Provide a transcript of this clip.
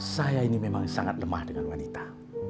saya ini memang sangat lemah dengan wanita